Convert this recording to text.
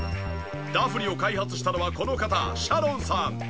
ダフニを開発したのはこの方シャロンさん。